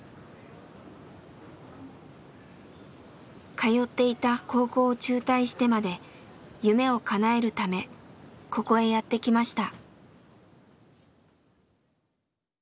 通っていた高校を中退してまで夢をかなえるためここへやって来ました。